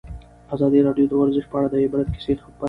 ازادي راډیو د ورزش په اړه د عبرت کیسې خبر کړي.